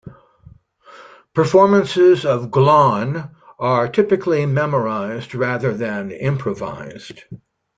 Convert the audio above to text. Performances of glawn are typically memorised rather than improvised.